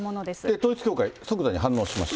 統一教会、即座に反応しました。